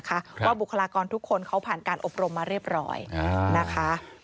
เพราะว่าบุคลากรทุกคนเขาผ่านการอบรมมาเรียบร้อยนะคะ